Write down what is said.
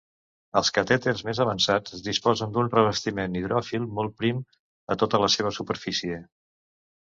Els catèters més avançats disposen d'un revestiment hidròfil molt prim a tota la seva superfície.